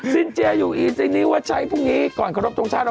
สินเจียอยู่อีซินิวส์วัตชัยพรุ่งนี้ก่อนขอบรบทุกช่าย